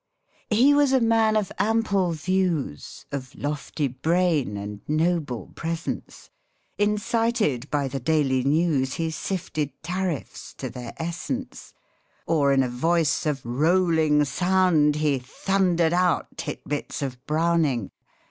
He was a man of ample views, Of lofty brain and noble presence ; Incited by the Daily News, He sifted tariffs to their essence; Or in a voice of rolling sound He thundered out tit bits of Browning.